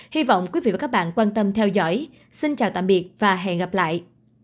hy vọng quý vị và các bạn quan tâm theo dõi xin chào tạm biệt và hẹn gặp lại